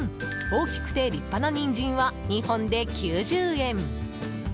大きくて立派なニンジンは２本で９０円。